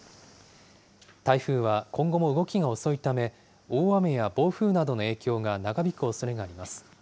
台風は今後も動きが遅いため、大雨や暴風などの影響が長引くおそれがあります。